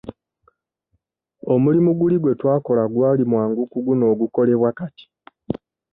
Omulimu guli gwe twakola gwali mwangu ku guno ogukolebwa kati.